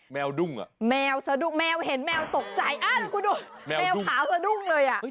แมวดุ้งแมวสะดุ้งแมวเห็นแมวตกใจแมวขาวสะดุ้งเลย